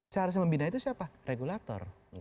seharusnya membina itu siapa regulator